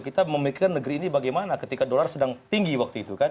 kita memikirkan negeri ini bagaimana ketika dolar sedang tinggi waktu itu kan